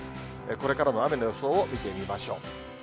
これからの雨の予想を見てみましょう。